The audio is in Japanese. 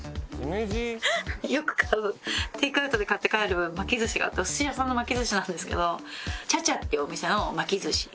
よく買うテイクアウトで買って帰る巻き寿司があってお寿司屋さんの巻き寿司なんですけど茶々っていうお店の巻き寿司。